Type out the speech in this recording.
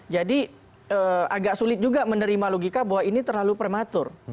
jadi agak sulit juga menerima logika bahwa ini terlalu prematur